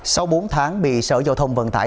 sau bốn tháng bị sở giao thông vận tải